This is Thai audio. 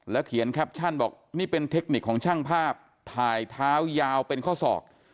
เขียนแคปชั่นบอกนี่เป็นเทคนิคของช่างภาพถ่ายเท้ายาวเป็นข้อศอก